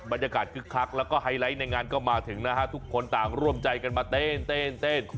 คึกคักแล้วก็ไฮไลท์ในงานก็มาถึงนะฮะทุกคนต่างร่วมใจกันมาเต้น